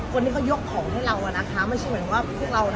คนที่เขายกของให้เราไม่ใช่เหมือนว่าพวกเรานะ